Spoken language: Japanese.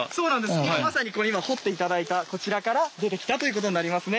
今まさにこれ今掘って頂いたこちらから出てきたということになりますね。